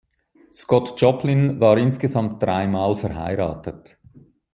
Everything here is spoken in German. Scott Joplin war insgesamt dreimal verheiratet.